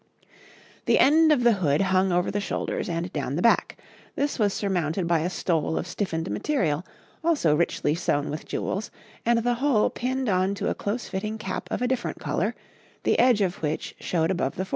The end of the hood hung over the shoulders and down the back; this was surmounted by a stole of stiffened material, also richly sewn with jewels, and the whole pinned on to a close fitting cap of a different colour, the edge of which showed above the forehead.